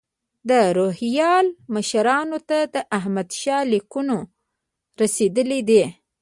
د روهیله مشرانو ته د احمدشاه لیکونه رسېدلي دي.